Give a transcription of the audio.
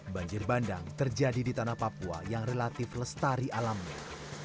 banjir bandang terjadi di tanah papua yang relatif lestari alamnya